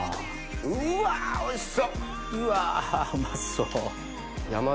うわおいしそ。